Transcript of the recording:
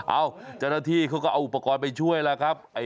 เจ้าหน้าที่เขาก็เอาอุปกรณ์ไปช่วยแล้วครับ